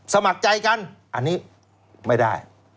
สมัครใจกันอันนี้ไม่ได้